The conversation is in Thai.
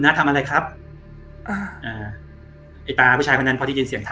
แล้วถุบพื้นนวดดิน